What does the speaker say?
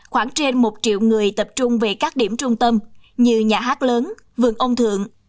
khoảng trên một triệu người tập trung về các điểm trung tâm như nhà hát lớn vườn ông thượng